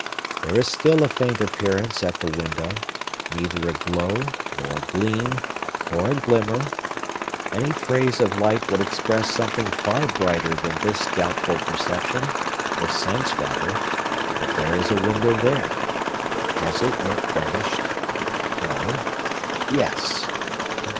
There is still a faint appearance at the window; neither a glow, nor a gleam, nor a glimmer,—any phrase of light would express something far brighter than this doubtful perception, or sense, rather, that there is a window there. Has it yet vanished? No!—yes!